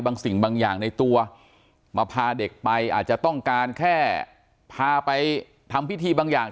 สิ่งบางอย่างในตัวมาพาเด็กไปอาจจะต้องการแค่พาไปทำพิธีบางอย่าง